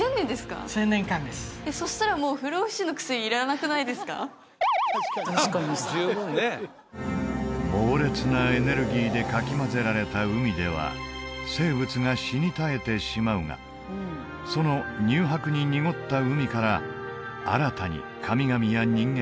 １０００年間ですそしたらもう猛烈なエネルギーでかき混ぜられた海では生物が死に絶えてしまうがその乳白に濁った海から新たに神々や人間